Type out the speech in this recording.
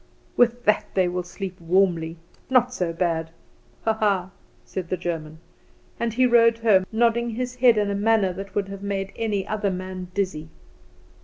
"With that they will sleep warmly; not so bad. Ha, ha!" said the German. And he rode home, nodding his head in a manner that would have made any other man dizzy.